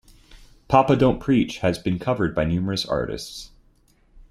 "Papa Don't Preach" has been covered by numerous artists.